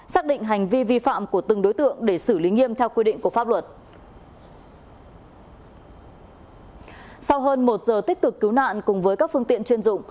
sau hơn một giờ tích cực cứu nạn cùng với các phương tiện chuyên dụng